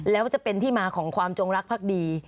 แล้วจะเป็นที่มาของความจงรักภักดี